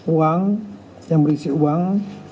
uang yang berisi uang